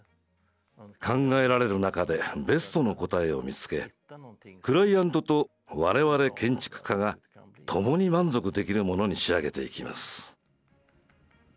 考えられる中でベストの答えを見つけクライアントと我々建築家が共に満足できるものに仕上げていきます。